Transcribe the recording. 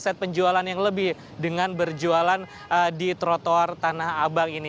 omset penjualan yang lebih dengan berjualan di trotoar tanah abang ini